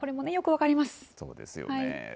そうですよね。